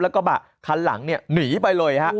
กระบะคันหลังเนี่ยหนีไปเลยฮะ